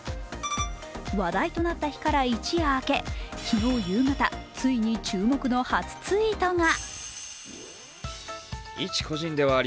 話題となった日から一夜明け、昨日夕方、ついに注目の初ツイートが。